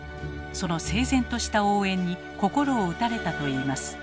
その整然とした応援に心を打たれたといいます。